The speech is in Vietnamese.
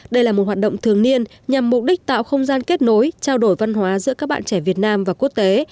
đây là một hoạt động thường niên nhằm mục đích tạo không gian kết nối trao đổi văn hóa giữa các bạn trẻ việt nam và quốc tế